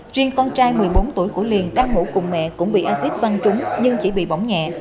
riêng con trai một mươi bốn tuổi của liền đang ngủ cùng mẹ cũng bị acid văn trúng nhưng chỉ bị bỏng nhẹ